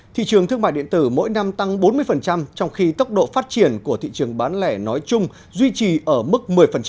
thị trường thương mại điện tử mỗi năm tăng bốn mươi trong khi tốc độ phát triển của thị trường bán lẻ nói chung duy trì ở mức một mươi